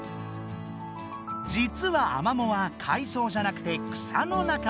じつはアマモは海そうじゃなくて草の仲間。